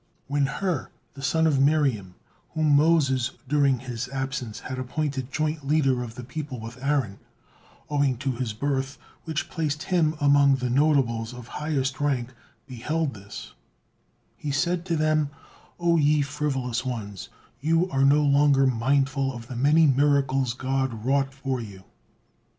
When Hur, the son of Miriam, whom Moses during his absence had appointed joint leader of the people with Aaron, owing to his birth which placed him among the notables of highest rank, beheld this, he said to them: "O ye frivolous ones, you are no longer mindful of the many miracles God wrought for you."